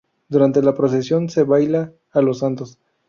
Durante la procesión se baila a los santos.